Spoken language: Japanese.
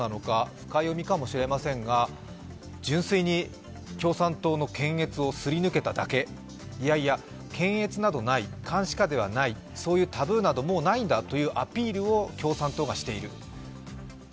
深読みかもしれませんが、純粋に共産党の検閲をすり抜けただけ、いやいや、検閲などない監視下などないというそういうタブーなどもうないんだというアピールを共産党がしている。